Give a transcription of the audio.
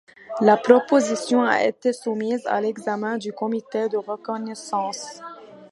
La proposition a été soumise à l'examen du Comité de reconnaissance.